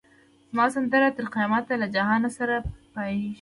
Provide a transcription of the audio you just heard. زما سندره تر قیامته له جهان سره پاییږی